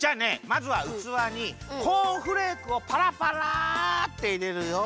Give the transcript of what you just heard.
まずはうつわにコーンフレークをパラパラっていれるよ。